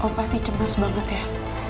oh pasti cemas banget ya